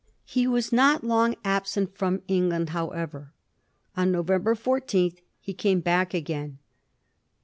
He was not long absent from England, however. On November 14 he came back again.